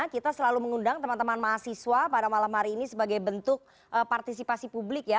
kita selalu mengundang teman teman mahasiswa pada malam hari ini sebagai bentuk partisipasi publik ya